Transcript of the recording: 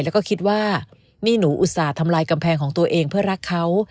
แล้วก็คิดว่านี่หนูอุตส่าห์ทำลายกำแพงของตัวเองเพื่อรักเขา